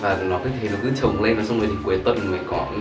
và hai là nó sẽ và nó cứ thế nó cứ trồng lên và xong rồi thì cuối tuần mới có